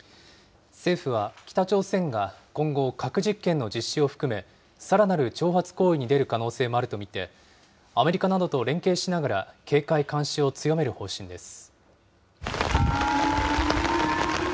政府は北朝鮮が今後、核実験の実施を含め、さらなる挑発行為に出る可能性もあると見て、アメリカなどと連携しながら、警戒・監視を強める方針です。